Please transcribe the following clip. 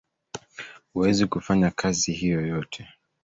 Huwezi kufanya kazi hiyo yote